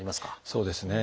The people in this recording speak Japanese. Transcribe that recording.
そうですね。